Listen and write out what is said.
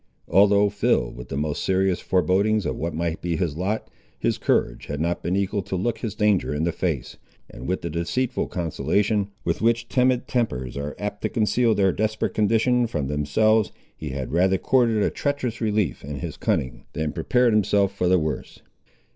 Although filled with the most serious forebodings of what might be his lot, his courage had not been equal to look his danger in the face, and with the deceitful consolation, with which timid tempers are apt to conceal their desperate condition from themselves, he had rather courted a treacherous relief in his cunning, than prepared himself for the worst.